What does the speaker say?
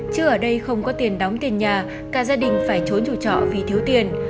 chứ ở đây không có tiền đóng tiền nhà cả gia đình phải chối chủ trọ vì thiếu tiền